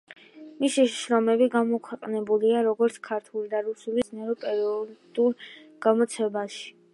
მისი შრომები გამოქვეყნებულია როგორც ქართულ და რუსულ, ისე გერმანულ სამეცნიერო პერიოდულ გამოცემებში.